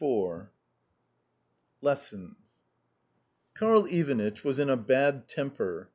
IV LESSONS Karl Ivanitch was in a bad temper.